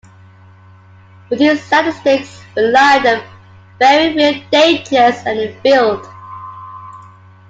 But these statistics belied the very real dangers at the field.